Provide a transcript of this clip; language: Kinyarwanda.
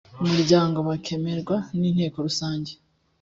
umuryango bakemererwa n inteko rusange